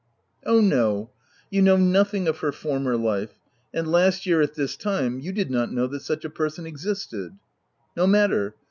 193 u Oh, no ! you know nothing of her former life ; and last year at this time, you did not know that such a person existed." " No matter.